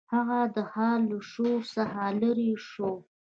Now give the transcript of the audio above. هغه د ښار له شور څخه لیرې شو.